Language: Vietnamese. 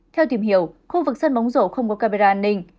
theo tìm hiểu khu vực sân bóng rổ không có camera an ninh